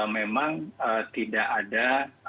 memang tidak ada